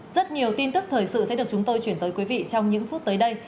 rất nhiều tin tức thời sự sẽ được chúng tôi chuyển tới quý vị trong những phút tới đây